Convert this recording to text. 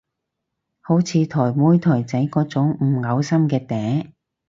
好似台妹台仔嗰種唔嘔心嘅嗲